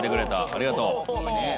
ありがとう」